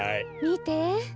みて。